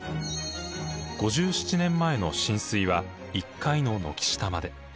５７年前の浸水は１階の軒下まで。